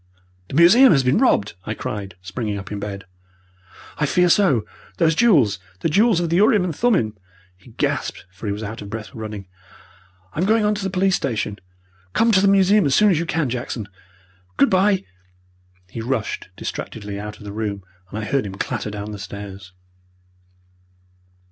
"The museum has been robbed!" I cried, springing up in bed. "I fear so! Those jewels! The jewels of the urim and thummim!" he gasped, for he was out of breath with running. "I'm going on to the police station. Come to the museum as soon as you can, Jackson! Good bye!" He rushed distractedly out of the room, and I heard him clatter down the stairs.